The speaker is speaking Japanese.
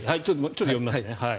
ちょっと読みますね。